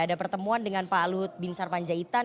ada pertemuan dengan pak lut bin sarpanjaitan